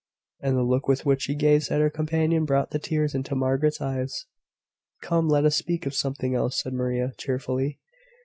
And the look with which she gazed at her companion brought the tears into Margaret's eyes. "Come, let us speak of something else," said Maria, cheerfully.